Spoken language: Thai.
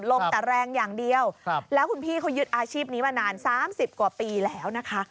ลมแต่แรงอย่างเดียวแล้วคุณพี่เขายึดอาชีพนี้มานาน๓๐กว่าปีแล้วนะคะ